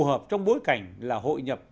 để phù hợp trong bối cảnh là hội nhập